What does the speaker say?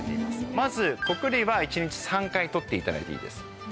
まず穀類は１日３回取っていただいていいです。